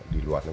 di luar negara